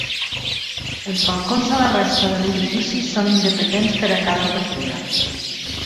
Els balcons de la resta de l'edifici són independents per a cada obertura.